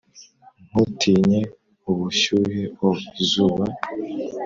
ntutinye ubushyuhe o 'izuba;